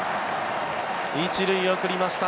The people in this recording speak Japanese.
１塁、送りました。